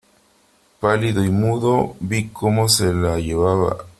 pálido y mudo vi cómo se la llevaba :